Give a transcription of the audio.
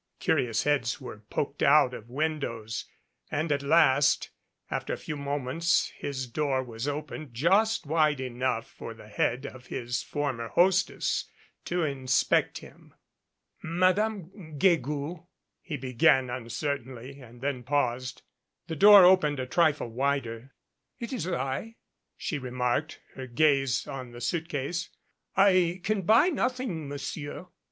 Curious heads were poked out of windows, and at last after a few moments his door was opened just wide enough for the head of his former hostess to inspect him. "Madame Guegou," he began uncertainly and then , paused. The door opened a trifle wider. "It is I," she remarked, her gaze on the suitcase. "I can buy nothing, Monsieur."